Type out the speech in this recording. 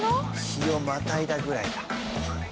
日をまたいだぐらいだ。